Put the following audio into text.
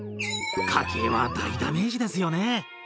家計は大ダメージですよね。